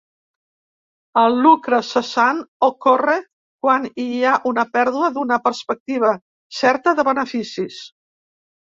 El lucre cessant ocorre quan hi ha una pèrdua d'una perspectiva certa de beneficis.